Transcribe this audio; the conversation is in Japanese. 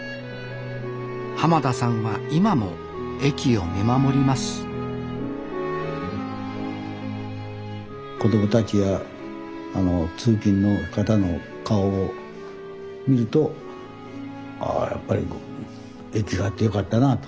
田さんは今も駅を見守ります子供たちや通勤の方の顔を見るとあやっぱり駅があってよかったなあと。